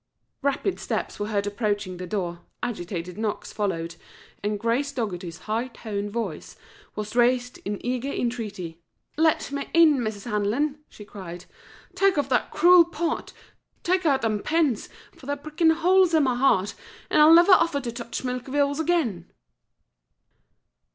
Rapid steps were heard approaching the door, agitated knocks followed, and Grace Dogherty's high toned voice was raised in eager entreaty. "Let me in, Mrs. Hanlon!" she cried. "Tak off that cruel pot! Tak out them pins, for they're pricking holes in my heart, an' I'll never offer to touch milk of yours again."